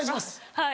はい。